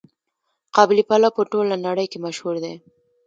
قابلي پلو په ټوله نړۍ کې مشهور دی.